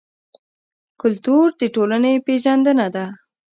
کلتور د ټولنې پېژندنه ده.